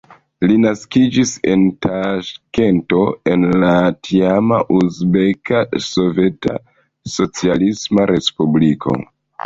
Li naskiĝis en Taŝkento, en la tiama Uzbeka Soveta Socialisma Respubliko.